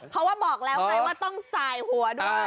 เพราะบอกแล้วให้ว่าต้องสายหัว